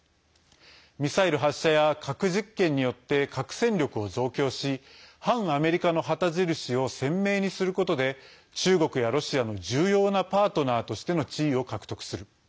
ミサイル発射や核実験によって核戦力を増強し反アメリカの旗印を鮮明にすることで中国やロシアの重要なパートナーとしての地位を獲得する。